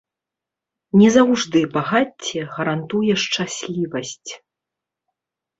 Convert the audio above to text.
Не заўжды багацце гарантуе шчаслівасць.